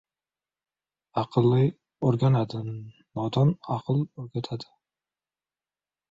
• Aqlli o‘rganadi, nodon aql o‘rgatadi.